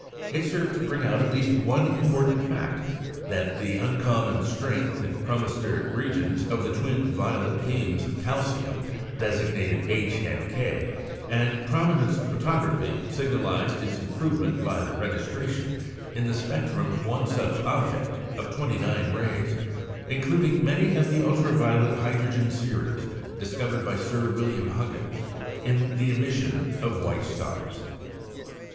It served to bring out at least one important fact that of the uncommon strength in chromospheric regions of the twin violet beams of calcium, designated "H" and "K"; and prominence photography signalised its improvement by the registration, in the spectrum of one such object, of twenty nine rays, including many of the ultra violet hydrogen series discovered by Sir William Huggins in the emission of white stars.